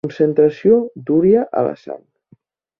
Concentració d'urea a la sang.